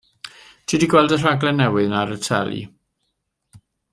Ti 'di gweld y rhaglen newydd 'na ar y teli?